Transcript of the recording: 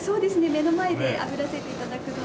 目の前であぶらせて頂くので。